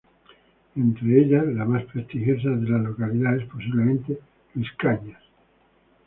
Entre ellas la más prestigiosa de la localidad es posiblemente "Luis Cañas".